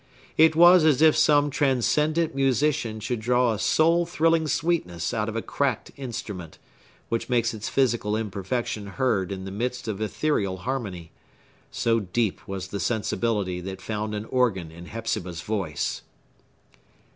It was as if some transcendent musician should draw a soul thrilling sweetness out of a cracked instrument, which makes its physical imperfection heard in the midst of ethereal harmony,—so deep was the sensibility that found an organ in Hepzibah's voice!